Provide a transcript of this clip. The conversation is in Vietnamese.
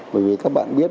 bởi vì các bạn biết